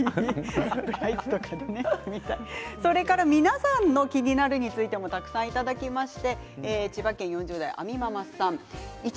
皆さんの「キニナル」についてもたくさんいただきました。